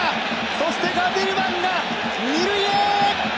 そしてガゼルマンが二塁へ！